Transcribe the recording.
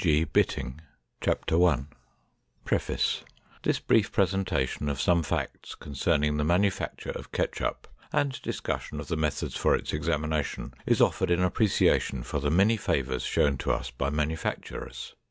MURPHEY BIVINS CO. PRESS 1915 This brief presentation of some facts concerning the manufacture of ketchup and discussion of the methods for its examination is offered in appreciation for the many favors shown to us by manufacturers.